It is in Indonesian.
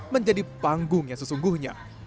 menjadi panggung yang sesungguhnya